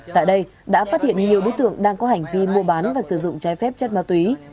tại đây đã phát hiện nhiều đối tượng đang có hành vi mua bán và sử dụng trái phép chất ma túy